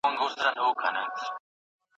موږ به سبا په دې موضوع بیا خبرې وکړو.